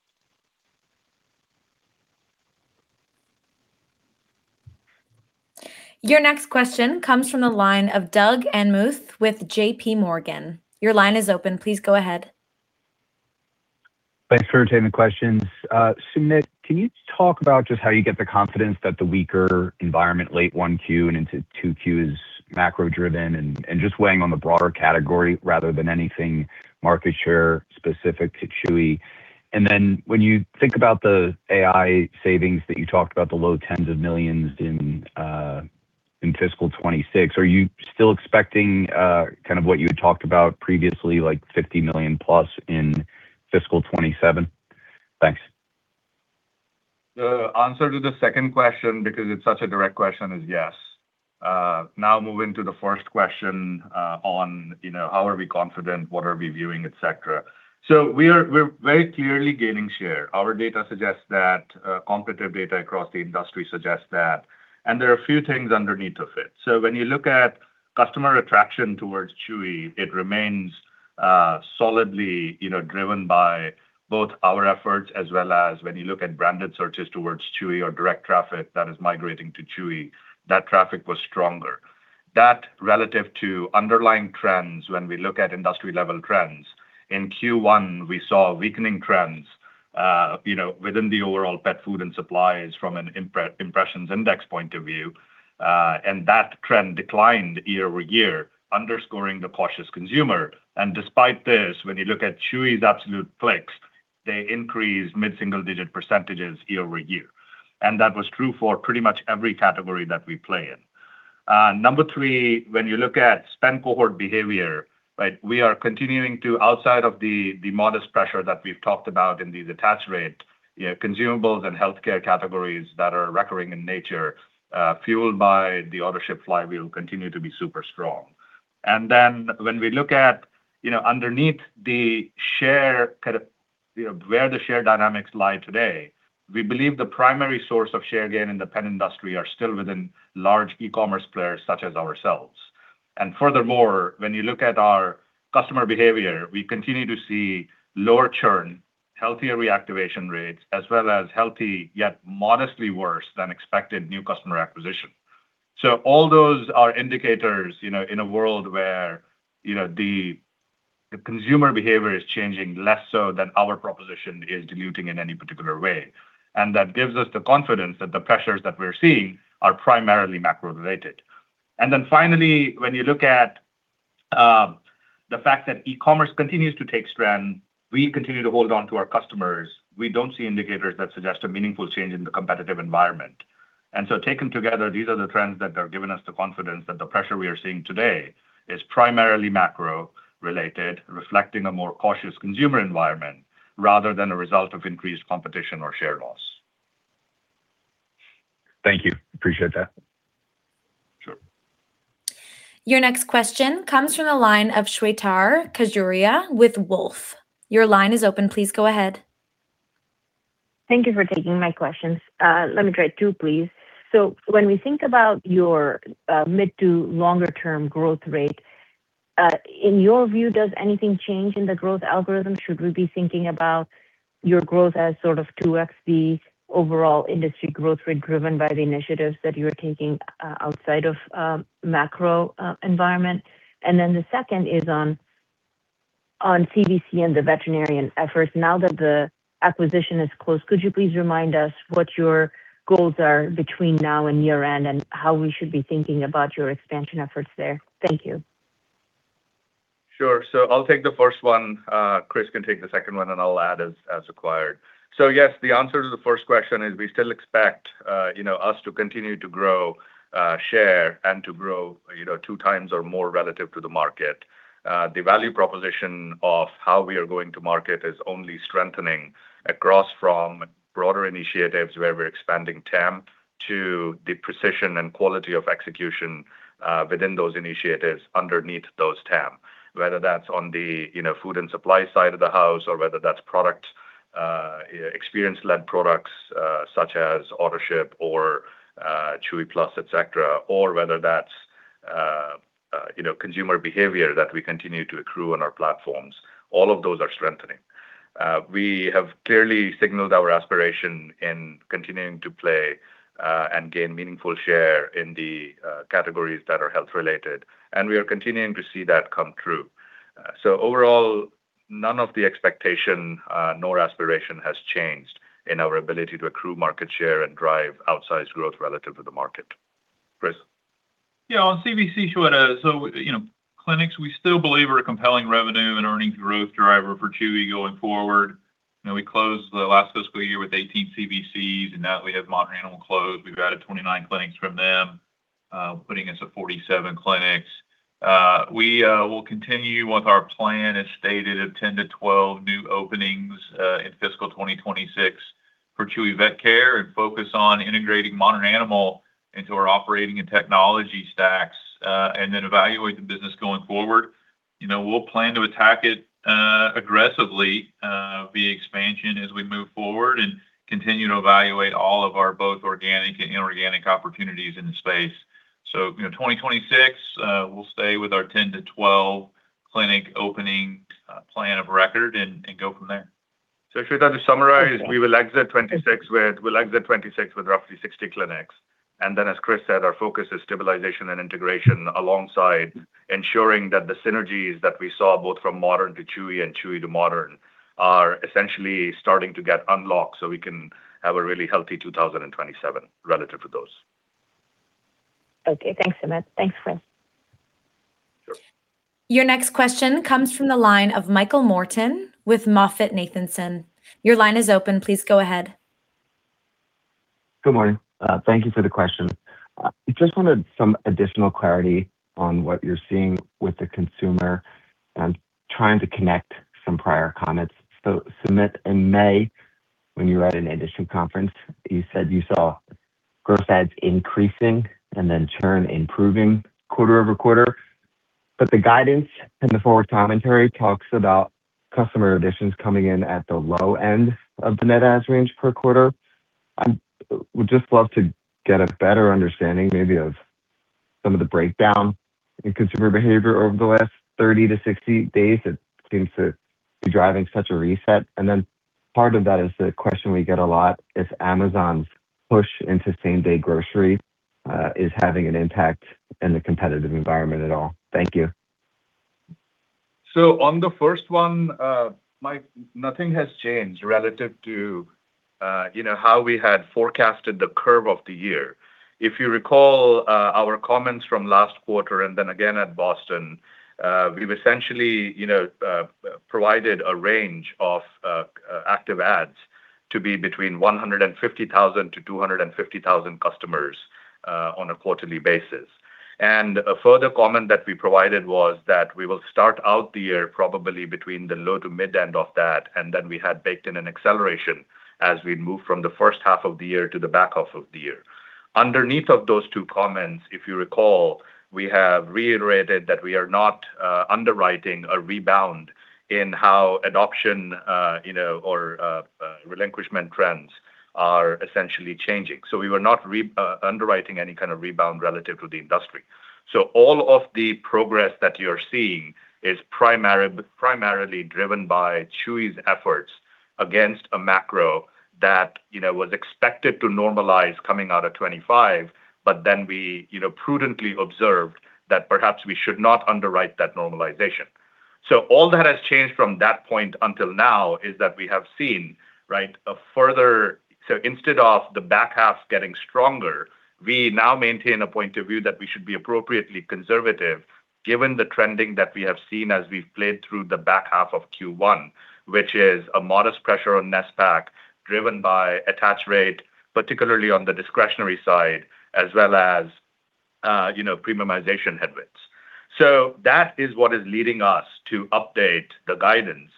Your next question comes from the line of Doug Anmuth with JPMorgan. Your line is open. Please go ahead. Thanks for taking the questions. Sumit, can you talk about just how you get the confidence that the weaker environment late 1Q and into 2Q is macro-driven and just weighing on the broader category rather than anything market share specific to Chewy? When you think about the AI savings that you talked about, the low 10s of millions in fiscal 2026, are you still expecting kind of what you had talked about previously, like $50 million+ in fiscal 2027? Thanks. The answer to the second question, because it's such a direct question, is yes. Moving to the first question on how are we confident, what are we viewing, et cetera. We're very clearly gaining share. Our data suggests that, competitive data across the industry suggests that, and there are a few things underneath of it. When you look at customer attraction towards Chewy, it remains solidly driven by both our efforts as well as when you look at branded searches towards Chewy or direct traffic that is migrating to Chewy, that traffic was stronger. That relative to underlying trends when we look at industry-level trends. In Q1, we saw weakening trends within the overall pet food and supplies from an impressions index point of view. That trend declined year-over-year, underscoring the cautious consumer. Despite this, when you look at Chewy's absolute clicks, they increased mid-single-digit percentages year-over-year. That was true for pretty much every category that we play in. Number three, when you look at spend cohort behavior, we are continuing to, outside of the modest pressure that we've talked about in the detach rate, consumables and healthcare categories that are recurring in nature, fueled by the Autoship flywheel, continue to be super strong. When we look at underneath where the share dynamics lie today, we believe the primary source of share gain in the pet industry are still within large e-commerce players such as ourselves. Furthermore, when you look at our customer behavior, we continue to see lower churn, healthier reactivation rates, as well as healthy, yet modestly worse than expected, new customer acquisition. All those are indicators in a world where the consumer behavior is changing less so than our proposition is diluting in any particular way. That gives us the confidence that the pressures that we're seeing are primarily macro-related. Finally, when you look at the fact that e-commerce continues to take strand, we continue to hold on to our customers. We don't see indicators that suggest a meaningful change in the competitive environment. Taken together, these are the trends that are giving us the confidence that the pressure we are seeing today is primarily macro-related, reflecting a more cautious consumer environment rather than a result of increased competition or share loss. Thank you. Appreciate that. Sure. Your next question comes from the line of Shweta Khajuria with Wolfe. Your line is open. Please go ahead. Thank you for taking my questions. Let me try two, please. When we think about your mid to longer term growth rate, in your view, does anything change in the growth algorithm? Should we be thinking about your growth as sort of 2x the overall industry growth rate driven by the initiatives that you are taking outside of macro environment? The second is on CVC and the veterinarian efforts. Now that the acquisition is closed, could you please remind us what your goals are between now and year-end and how we should be thinking about your expansion efforts there? Thank you. Sure. I'll take the first one. Chris can take the second one, and I'll add as required. Yes, the answer to the first question is we still expect us to continue to grow, share, and to grow two times or more relative to the market. The value proposition of how we are going to market is only strengthening across from broader initiatives where we're expanding TAM to the precision and quality of execution within those initiatives underneath those TAM. Whether that's on the food and supply side of the house or whether that's experience-led products such as Autoship or Chewy+, et cetera, or whether that's consumer behavior that we continue to accrue on our platforms. All of those are strengthening. We have clearly signaled our aspiration in continuing to play and gain meaningful share in the categories that are health-related, and we are continuing to see that come true. Overall, none of the expectation nor aspiration has changed in our ability to accrue market share and drive outsized growth relative to the market. Chris. Yeah. On CVC, Shweta, clinics, we still believe are a compelling revenue and earnings growth driver for Chewy going forward. We closed the last fiscal year with 18 CVCs, and now that we have Modern Animal closed, we've added 29 clinics from them, putting us at 47 clinics. We will continue with our plan as stated of 10 to 12 new openings in fiscal 2026 for Chewy Vet Care and focus on integrating Modern Animal into our operating and technology stacks, and then evaluate the business going forward. We'll plan to attack it aggressively via expansion as we move forward and continue to evaluate all of our both organic and inorganic opportunities in the space. 2026, we'll stay with our 10 to 12 clinic opening plan of record and go from there. Shweta, to summarize, we will exit 2026 with roughly 60 clinics. As Chris said, our focus is stabilization and integration alongside ensuring that the synergies that we saw, both from Modern to Chewy and Chewy to Modern, are essentially starting to get unlocked so we can have a really healthy 2027 relative to those. Thanks, Sumit. Thanks, Chris. Your next question comes from the line of Michael Morton with MoffettNathanson. Your line is open. Please go ahead. Good morning. Thank you for the question. Just wanted some additional clarity on what you're seeing with the consumer and trying to connect some prior comments. Sumit, in May, when you were at an industry conference, you said you saw gross adds increasing and then churn improving quarter-over-quarter. The guidance in the forward commentary talks about customer additions coming in at the low end of the net adds range per quarter. I would just love to get a better understanding maybe of some of the breakdown in consumer behavior over the last 30 to 60 days that seems to be driving such a reset. Part of that is the question we get a lot, is Amazon's push into same-day grocery is having an impact in the competitive environment at all? Thank you. Mike, nothing has changed relative to how we had forecasted the curve of the year. If you recall our comments from last quarter and then again at Boston, we've essentially provided a range of active adds to be between 150,000 to 250,000 customers on a quarterly basis. A further comment that we provided was that we will start out the year probably between the low to mid end of that, and then we had baked in an acceleration as we move from the first half of the year to the back half of the year. Underneath of those two comments, if you recall, we have reiterated that we are not underwriting a rebound in how adoption or relinquishment trends are essentially changing. We were not underwriting any kind of rebound relative to the industry. All of the progress that you're seeing is primarily driven by Chewy's efforts against a macro that was expected to normalize coming out of 2025, we prudently observed that perhaps we should not underwrite that normalization. All that has changed from that point until now is that we have seen instead of the back half getting stronger, we now maintain a point of view that we should be appropriately conservative given the trending that we have seen as we've played through the back half of Q1, which is a modest pressure on NSPAC driven by attach rate, particularly on the discretionary side, as well as premiumization headwinds. That is what is leading us to update the guidance.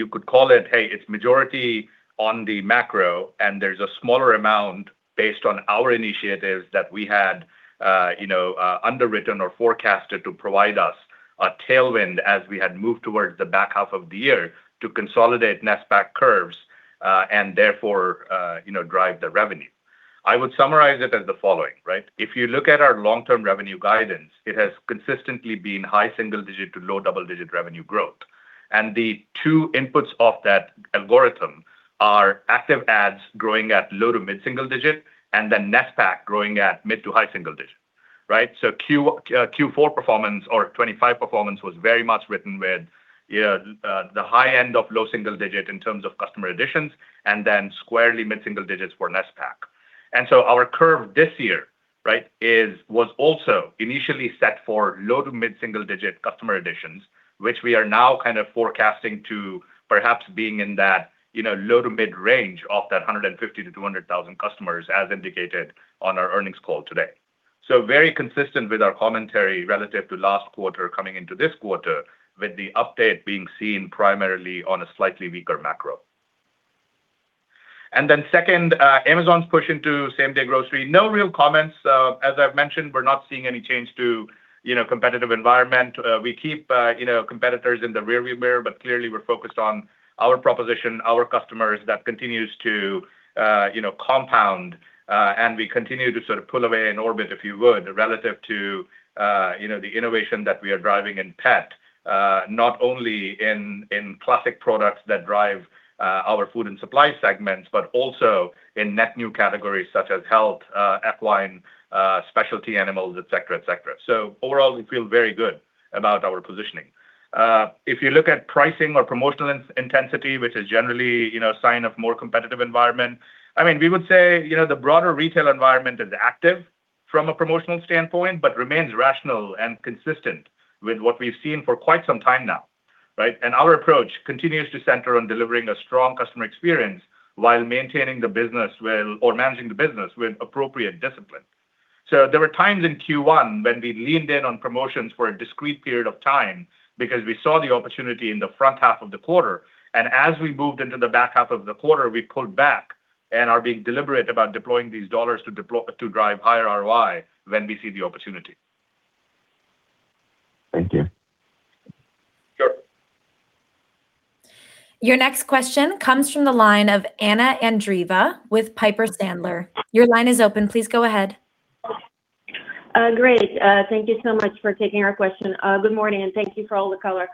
You could call it's majority on the macro, and there's a smaller amount based on our initiatives that we had underwritten or forecasted to provide us a tailwind as we had moved towards the back half of the year to consolidate NSPAC curves, and therefore drive the revenue. I would summarize it as the following. If you look at our long-term revenue guidance, it has consistently been high-single-digit to low-double-digit revenue growth. The two inputs of that algorithm are active adds growing at low- to mid-single-digit, and then NSPAC growing at mid to high single digit. Q4 performance or 2025 performance was very much written with the high end of low single digit in terms of customer additions, and then squarely mid single digits for NSPAC. Our curve this year was also initially set for low- to mid-single-digit customer additions, which we are now kind of forecasting to perhaps being in that low- to mid-range of that 150,000 to 200,000 customers, as indicated on our earnings call today. Very consistent with our commentary relative to last quarter coming into this quarter, with the update being seen primarily on a slightly weaker macro. Second, Amazon's push into same-day grocery. No real comments. As I've mentioned, we're not seeing any change to competitive environment. We keep competitors in the rear view mirror, but clearly we're focused on our proposition, our customers, that continues to compound, and we continue to sort of pull away and orbit, if you would, relative to the innovation that we are driving in pet. Not only in classic products that drive our food and supply segments, but also in net new categories such as health, equine, specialty animals, et cetera. Overall, we feel very good about our positioning. If you look at pricing or promotional intensity, which is generally sign of more competitive environment, we would say the broader retail environment is active from a promotional standpoint, but remains rational and consistent with what we've seen for quite some time now, right? Our approach continues to center on delivering a strong customer experience while managing the business with appropriate discipline. There were times in Q1 when we leaned in on promotions for a discrete period of time because we saw the opportunity in the front half of the quarter. As we moved into the back half of the quarter, we pulled back and are being deliberate about deploying these dollars to drive higher ROI when we see the opportunity. Thank you. Sure. Your next question comes from the line of Anna Andreeva with Piper Sandler. Your line is open. Please go ahead. Great. Thank you so much for taking our question. Good morning, and thank you for all the color.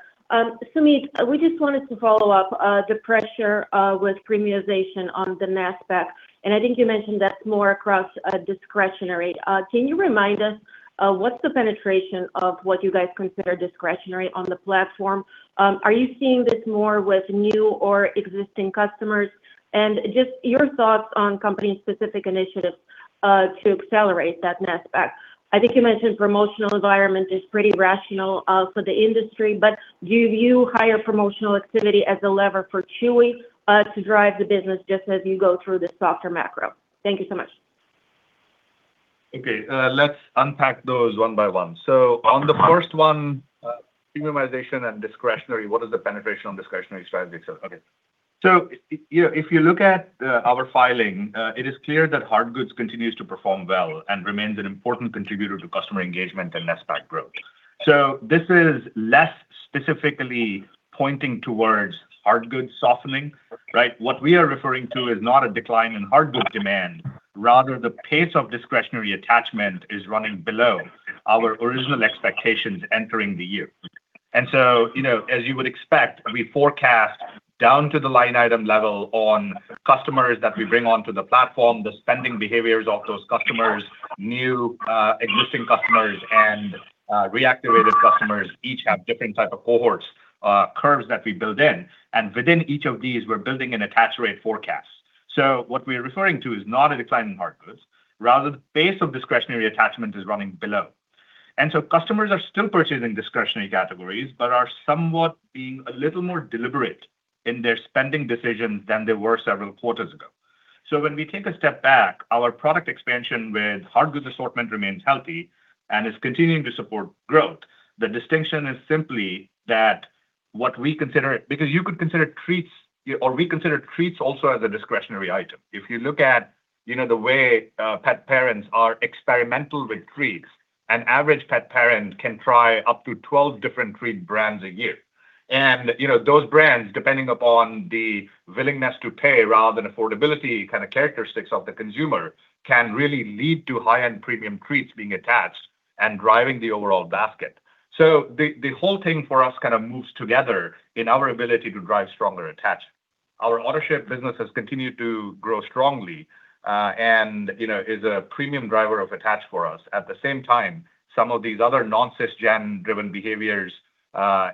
Sumit, we just wanted to follow up the pressure with premiumization on the net spend. I think you mentioned that's more across discretionary. Can you remind us what's the penetration of what you guys consider discretionary on the platform? Are you seeing this more with new or existing customers? Just your thoughts on company-specific initiatives to accelerate that net spend. I think you mentioned promotional environment is pretty rational for the industry, do you view higher promotional activity as a lever for Chewy to drive the business just as you go through the softer macro? Thank you so much. Okay. Let's unpack those one-by-one. On the first one, premiumization and discretionary, what is the penetration on discretionary strategy itself? Okay. If you look at our filing, it is clear that hard goods continues to perform well and remains an important contributor to customer engagement and net spend growth. This is less specifically pointing towards hard goods softening. Right? What we are referring to is not a decline in hard goods demand. Rather, the pace of discretionary attachment is running below our original expectations entering the year. As you would expect, we forecast down to the line item level on customers that we bring onto the platform, the spending behaviors of those customers, new existing customers, and reactivated customers each have different type of cohorts curves that we build in. Within each of these, we're building an attach rate forecast. What we're referring to is not a decline in hard goods. Rather, the pace of discretionary attachment is running below. Customers are still purchasing discretionary categories but are somewhat being a little more deliberate in their spending decisions than they were several quarters ago. When we take a step back, our product expansion with hard goods assortment remains healthy and is continuing to support growth. The distinction is simply that because we consider treats also as a discretionary item. If you look at the way pet parents are experimental with treats, an average pet parent can try up to 12 different treat brands a year. Those brands, depending upon the willingness to pay rather than affordability characteristics of the consumer, can really lead to high-end premium treats being attached and driving the overall basket. The whole thing for us kind of moves together in our ability to drive stronger attachment. Our Autoship business has continued to grow strongly and is a premium driver of attach for us. At the same time, some of these other [non-sysgen-driven behaviors],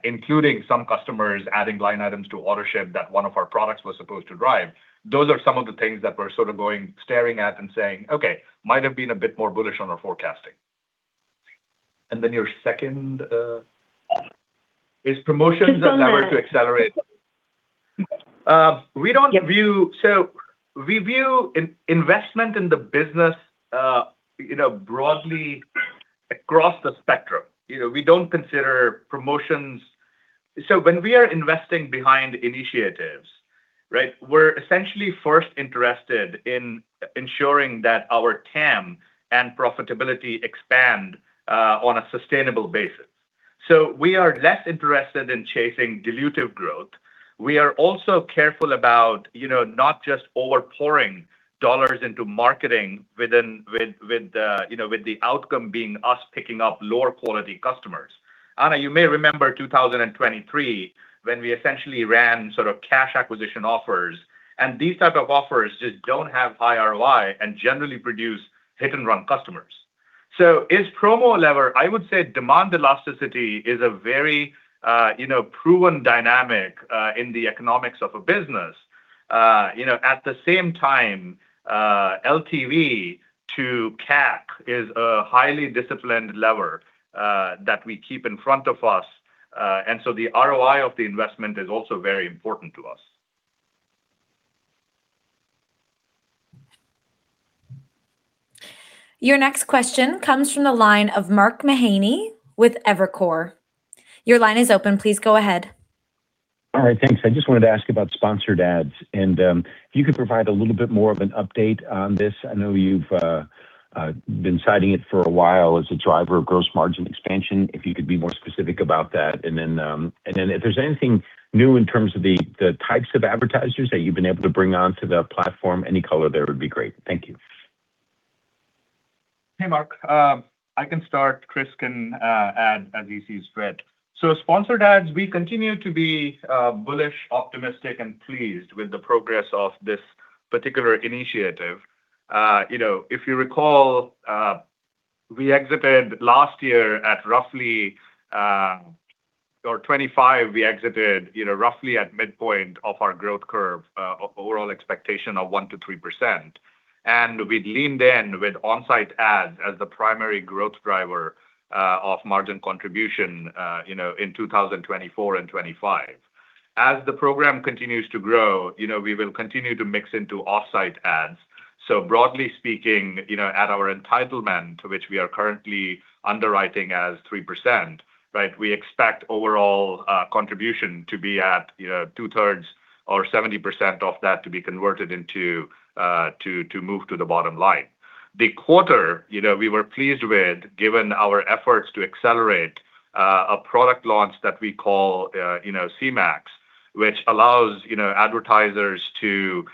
including some customers adding line items to Autoship that one of our products were supposed to drive, those are some of the things that we're sort of staring at and saying, okay, might have been a bit more bullish on our forecasting. Your second is promotions- Just on the. a lever to accelerate. We view investment in the business broadly across the spectrum. We don't consider promotions. When we are investing behind initiatives, we're essentially first interested in ensuring that our TAM and profitability expand on a sustainable basis. We are less interested in chasing dilutive growth. We are also careful about not just over-pouring dollars into marketing with the outcome being us picking up lower quality customers. Anna, you may remember 2023, when we essentially ran sort of cash acquisition offers, and these type of offers just don't have high ROI and generally produce hit-and-run customers. Is promo a lever? I would say demand elasticity is a very proven dynamic in the economics of a business. At the same time, LTV to CAC is a highly disciplined lever that we keep in front of us. The ROI of the investment is also very important to us. Your next question comes from the line of Mark Mahaney with Evercore. Your line is open. Please go ahead. All right. Thanks. I just wanted to ask about Sponsored Ads, and if you could provide a little bit more of an update on this. I know you've been citing it for a while as a driver of gross margin expansion. If you could be more specific about that, and then if there's anything new in terms of the types of advertisers that you've been able to bring onto the platform, any color there would be great. Thank you. Hey, Mark. I can start. Chris can add as he sees fit. Sponsored Ads, we continue to be bullish, optimistic, and pleased with the progress of this particular initiative. If you recall, we exited last year at roughly 2025, we exited roughly at midpoint of our growth curve of overall expectation of 1%-3%. We leaned in with on-site ads as the primary growth driver of margin contribution in 2024 and 2025. As the program continues to grow, we will continue to mix into off-site ads. Broadly speaking, at our entitlement to which we are currently underwriting as 3%, we expect overall contribution to be at two-thirds or 70% of that to be converted to move to the bottom line. The quarter, we were pleased with, given our efforts to accelerate a product launch that we call Chewy Max, which allows advertisers to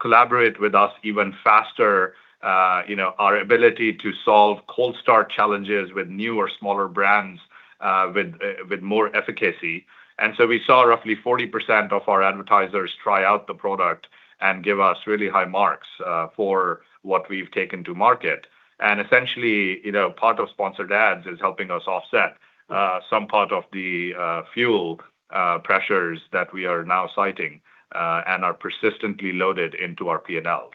collaborate with us even faster. Our ability to solve cold start challenges with new or smaller brands with more efficacy. We saw roughly 40% of our advertisers try out the product and give us really high marks for what we've taken to market. Essentially, part of Sponsored Ads is helping us offset some part of the fuel pressures that we are now citing and are persistently loaded into our P&Ls.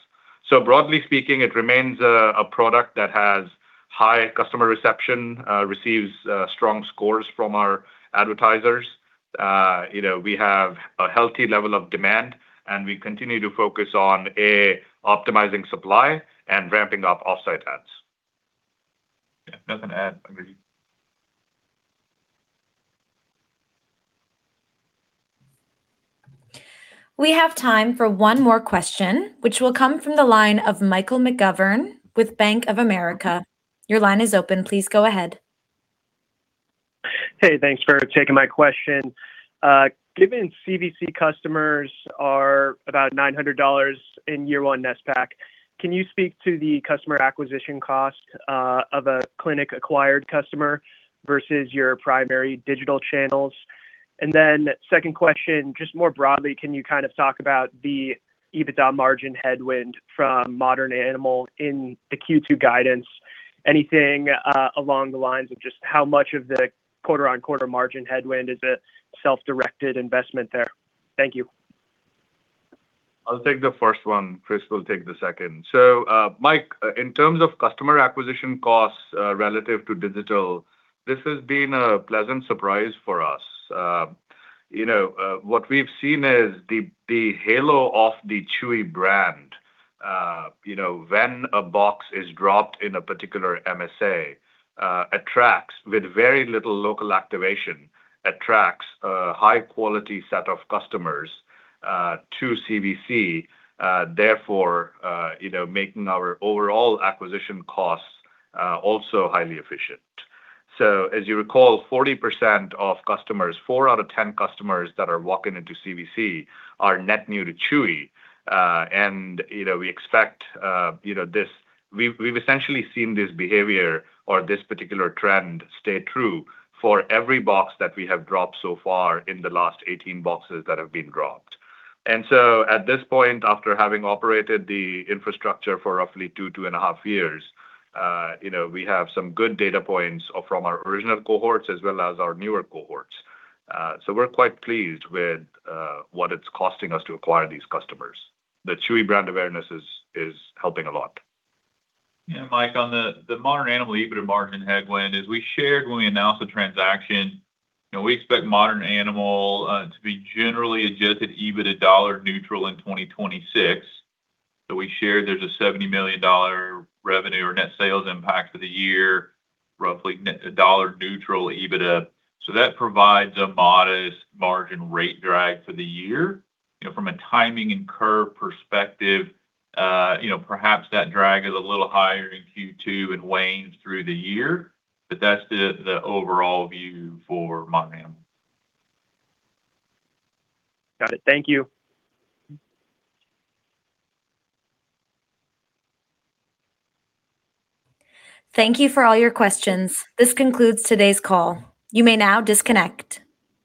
Broadly speaking, it remains a product that has high customer reception, receives strong scores from our advertisers. We have a healthy level of demand, and we continue to focus on, A, optimizing supply and ramping-up off-site ads. Yeah, nothing to add. Agree. We have time for one more question, which will come from the line of Michael McGovern with Bank of America. Your line is open. Please go ahead. Hey, thanks for taking my question. Given CVC customers are about $900 in year one NSPAC, can you speak to the customer acquisition cost of a clinic-acquired customer versus your primary digital channels? Second question, just more broadly, can you talk about the EBITDA margin headwind from Modern Animal in the Q2 guidance? Anything along the lines of just how much of the quarter-on-quarter margin headwind is a self-directed investment there? Thank you. I'll take the first one. Chris will take the second. Mike, in terms of customer acquisition costs relative to digital, this has been a pleasant surprise for us. What we've seen is the halo of the Chewy brand. When a box is dropped in a particular MSA, with very little local activation, attracts a high-quality set of customers to CVC, therefore, making our overall acquisition costs also highly efficient. As you recall, 40% of customers, four out of 10 customers that are walking into CVC are net new to Chewy. We've essentially seen this behavior or this particular trend stay true for every box that we have dropped so far in the last 18 boxes that have been dropped. At this point, after having operated the infrastructure for roughly two, two and a half years, we have some good data points from our original cohorts as well as our newer cohorts. We're quite pleased with what it's costing us to acquire these customers. The Chewy brand awareness is helping a lot. Mike, on the Modern Animal EBITDA margin headwind, as we shared when we announced the transaction, we expect Modern Animal to be generally adjusted EBITDA dollar neutral in 2026. We shared there's a $70 million revenue or net sales impact for the year, roughly a dollar neutral EBITDA. That provides a modest margin rate drag for the year. From a timing and curve perspective, perhaps that drag is a little higher in Q2 and wanes through the year, but that's the overall view for Modern Animal. Got it. Thank you. Thank you for all your questions. This concludes today's call. You may now disconnect.